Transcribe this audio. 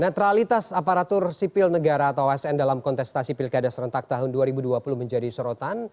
netralitas aparatur sipil negara atau asn dalam kontestasi pilkada serentak tahun dua ribu dua puluh menjadi sorotan